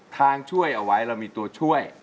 ทางช่วยเอาไว้เรามีตัวช่วย